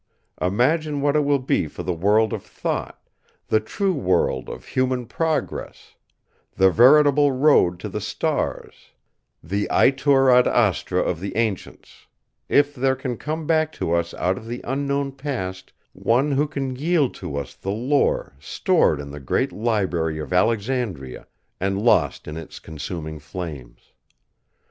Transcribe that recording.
Imagine what it will be for the world of thought—the true world of human progress—the veritable road to the Stars, the itur ad astra of the Ancients—if there can come back to us out of the unknown past one who can yield to us the lore stored in the great Library of Alexandria, and lost in its consuming flames.